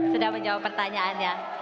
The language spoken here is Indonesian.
sudah menjawab pertanyaannya